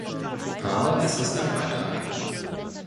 Aber es ist ein Beitrag.